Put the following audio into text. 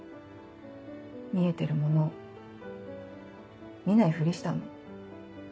見えてるものを見ないフリしたの。